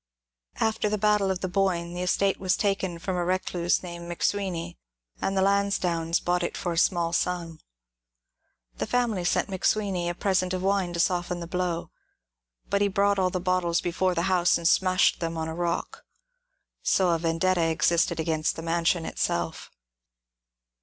After the battle of the Boyne the estate was taken from a recluse named McSweeny, and the Lansdownes bought it for a small sum. The family sent McSweeny a present of wine to soften the blow, but he brought all the bottles before the house and smashed them on a rock. So a vendetta existed against the mansion itself.